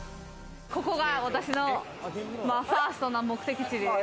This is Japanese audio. ここが私のファーストの目的地です。